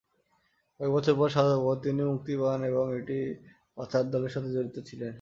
কয়েক বছর সাজা পাবার পর তিনি মুক্তি পান, এবং একটি অর্থ পাচার দলের সাথে জড়িত ছিলেন।